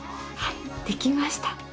はいできました。